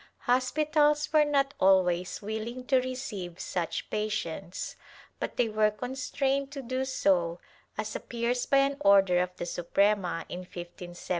Hospitals were not always willing to receive such patients, but they were constrained to do so, as appears by an order of the Suprema in 1574, in such a case.